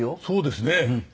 そうですね。